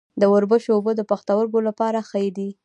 د وربشو اوبه د پښتورګو لپاره ښې دي.